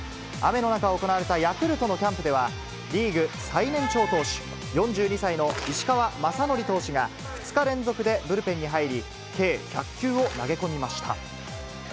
雨の中行われたヤクルトのキャンプでは、リーグ最年長投手、４２歳の石川雅規投手が、２日連続でブルペンに入り、計１００球を投げ込みました。